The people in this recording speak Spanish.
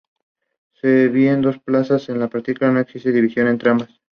Si bien son dos plazas, en la práctica no existe división entre ambas.